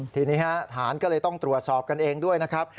ทีนี้ฐานก็เลยต้องตรวจสอบกันเองด้วยนะครับ